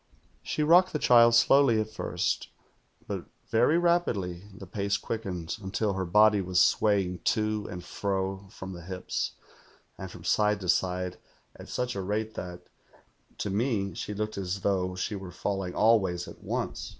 "She rocked the child slowly at first, but very rapidly the pace quickened, until her body was swaying to and fro from the hips, and from side to side, at such a rate that, to me, she looked as though she were falling all ways at once.